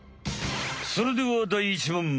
それでは第１問！